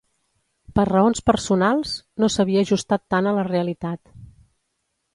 "per raons personals" no s'havia ajustat tant a la realitat.